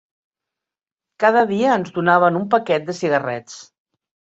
Cada dia ens donaven un paquet de cigarrets